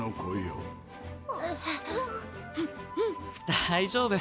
大丈夫。